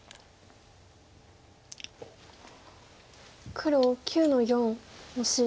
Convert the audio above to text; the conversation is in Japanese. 黒９の四オシ。